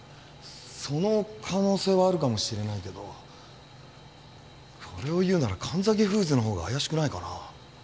その可能性はあるかもしれないけどそれを言うなら神崎フーズのほうが怪しくないかな？